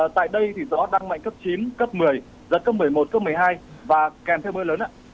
tại đây thì gió đang mạnh cấp chín cấp một mươi giật cấp một mươi một cấp một mươi hai và kèm theo mưa lớn